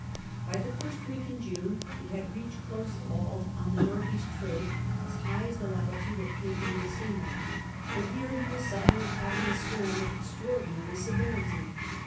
By the first week in June he had reached close hauled on the north east trade as high as the lati tude of Cape Mendocino; but here he was suddenly caught in a storm of extraordinary severity.